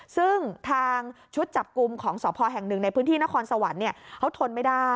ซึ่งทางชุดจับกลุ่มของสพแห่งหนึ่งในพื้นที่นครสวรรค์เขาทนไม่ได้